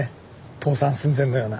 倒産寸前のような。